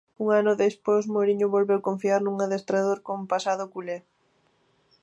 Un ano despois, Mouriño volveu confiar nun adestrador con pasado culé.